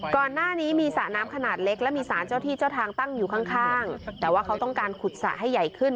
ก่อนหน้านี้มีสระน้ำขนาดเล็กและมีสารเจ้าที่เจ้าทางตั้งอยู่ข้างข้างแต่ว่าเขาต้องการขุดสระให้ใหญ่ขึ้น